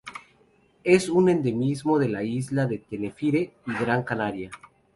Es un endemismo de la isla de Tenerife y Gran Canaria.